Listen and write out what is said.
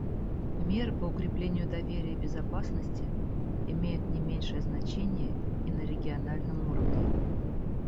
Меры по укреплению доверия и безопасности имеют не меньшее значение и на региональном уровне.